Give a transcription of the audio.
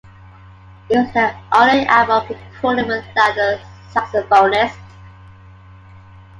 It was their only album recorded without a saxophonist.